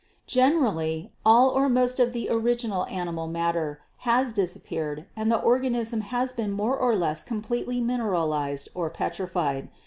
Generally, all or most of the original animal matter has disappeared and the organism has been more or less completely mineralized or petrified.